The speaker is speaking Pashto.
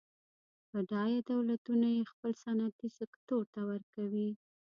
بډایه دولتونه یې خپل صنعتي سکتور ته ورکوي.